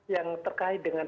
yang terkait dengan